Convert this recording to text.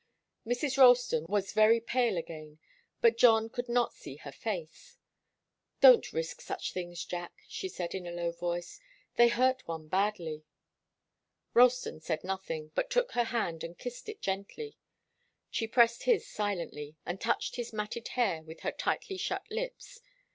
Mrs. Ralston was very pale again, but John could not see her face. "Don't risk such things, Jack," she said, in a low voice. "They hurt one badly." Ralston said nothing, but took her hand and kissed it gently. She pressed his silently, and touched his matted hair with her tightly shut lips.